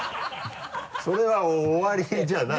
それは終わりじゃない。